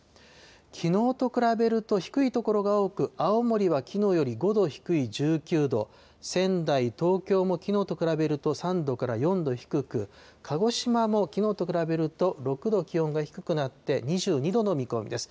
きのうと比べると低い所が多く、青森はきのうより５度低い１９度、仙台、東京もきのうと比べると、３度から４度低く、鹿児島もきのうと比べると、６度気温が低くなって、２２度の見込みです。